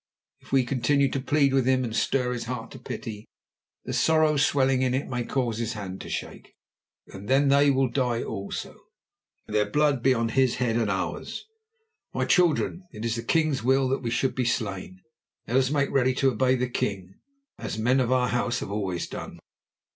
If we continue to plead with him and stir his heart to pity, the sorrow swelling in it may cause his hand to shake, and then they will die also, and their blood be on his head and ours. My children, it is the king's will that we should be slain. Let us make ready to obey the king, as men of our House have always done.